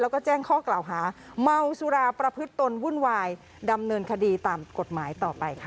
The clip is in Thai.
แล้วก็แจ้งข้อกล่าวหาเมาสุราประพฤติตนวุ่นวายดำเนินคดีตามกฎหมายต่อไปค่ะ